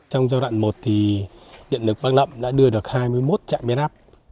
trong giai đoạn một thì điện lực bắc lộng đã đưa được hai mươi một trạm biên áp